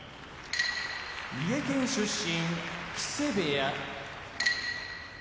三重県出身木瀬部屋宇良